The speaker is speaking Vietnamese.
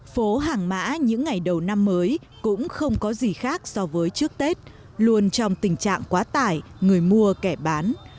phố hàng mã những ngày đầu năm mới cũng không có gì khác so với trước tết luôn trong tình trạng quá tải người mua kẻ bán